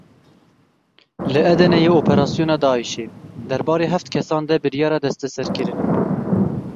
Li Edeneyê operasyona Daişê, derbarê heft kesan de biryara desteserkirinê.